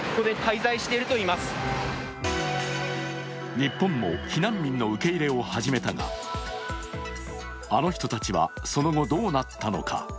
日本も避難民の受け入れを始めたが、あの人たちはその後どうなったのか。